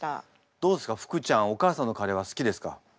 どうですか福ちゃんお母さんのカレーは好きですか？